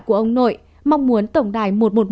của ông nội mong muốn tổng đài